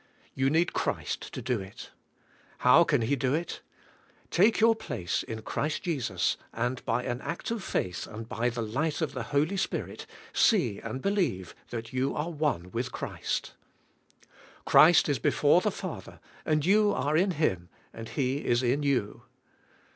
You need Christ to do it. How can He do it? Take 134 THE SPIRITUAL LIFE. your place in Christ Jesus and by an act of faith and by the lig"ht of the Holy Spirit see and believe that you are one vrith Christ. Christ is before the Father and you are in Him and He is in you.